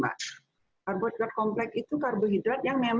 karbohidrat kompleks itu karbohidrat yang kompleks